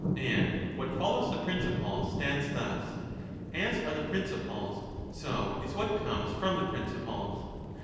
And what follows the principles stands thus : as are the principles, so is what comes from the principles.